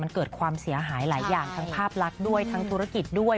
มันเกิดความเสียหายหลายอย่างทั้งภาพลักษณ์ด้วยทั้งธุรกิจด้วย